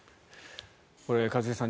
これ、一茂さん